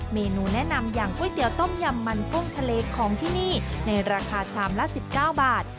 เมนูแนะนำอย่างก๋วยเตี๋ยวต้มยำมันกุ้งทะเลของที่นี่ในราคาชามละ๑๙บาท